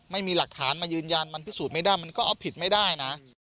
ไม่มีหลักฐานมายืนยันมันพิสูจน์ไม่ได้มันก็เอาผิดไม่ได้นะ